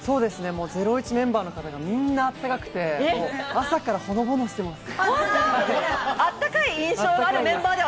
『ゼロイチ』メンバーの方が、みんなあったかくて朝からほのぼのしてます。